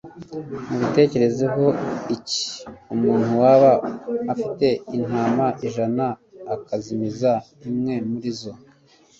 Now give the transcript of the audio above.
"Mubitekerezaho iki? Umuntu waba afite intama ijana, akazimiza imwe muri zo,